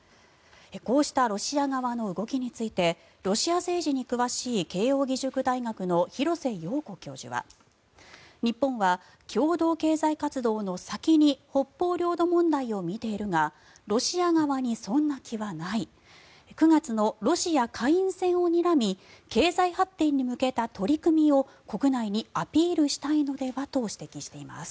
こうしたロシア側の動きについてロシア政治に詳しい慶応義塾大学の廣瀬陽子教授は日本は共同経済活動の先に北方領土問題を見ているがロシア側にそんな気はない９月のロシア下院選をにらみ経済発展に向けた取り組みを国内にアピールしたいのではと指摘しています。